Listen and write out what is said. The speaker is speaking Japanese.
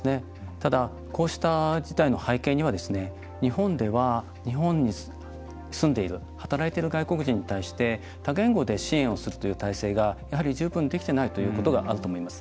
ただ、こうした事態の背景には日本では、日本に住んでいる働いている外国人に対して多言語で支援をするという体制が、やはり十分できていないということがあると思います。